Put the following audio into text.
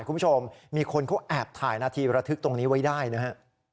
คุณผู้ชมมีคนเขาแอบถ่ายนาทีระทึกตรงนี้ไว้ได้นะฮะ